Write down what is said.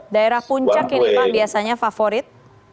daerah puncak ini pak biasanya favorit